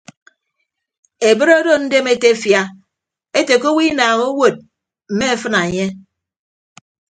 Ebre odo ndem etefia ete ke owo inaaha owod mme afịna enye.